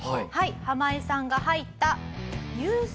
ハマイさんが入った。